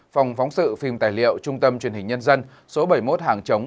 phòng phóng sự phim tài liệu trung tâm truyền hình nhân dân số bảy mươi một hàng chống